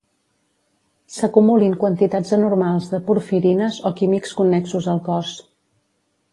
S'acumulin quantitats anormals de porfirines o químics connexos al cos.